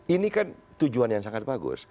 ini kan tujuan yang sangat bagus